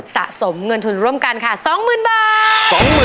สะสมเงินทุนร่วมกันค่ะ๒๐๐๐บาท